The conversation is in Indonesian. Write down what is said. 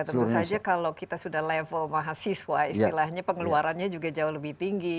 tentu saja kalau kita sudah level mahasiswa istilahnya pengeluarannya juga jauh lebih tinggi